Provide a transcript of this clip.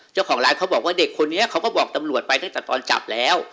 เจ้าของร้านเขาบอกว่าเด็กคนนี้เขาก็บอกตำรวจไปตั้งแต่ตอนจับแล้ว